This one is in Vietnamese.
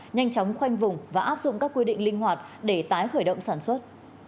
nhanh chóng khoanh vùng và áp dụng các quy định linh hoạt để tái khởi động sản xuất